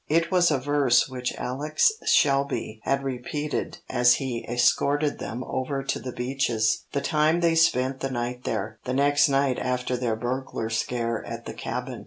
It was a verse which Alex Shelby had repeated as he escorted them over to The Beeches, the time they spent the night there, the next night after their burglar scare at the Cabin.